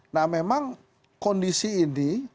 nah memang kondisi ini